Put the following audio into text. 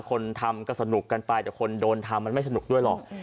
คนทำก็สนุกกันไปแต่คนโดนทำมันไม่สนุกด้วยหรอก